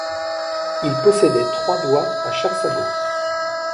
Il possédait trois doigts à chaque sabot.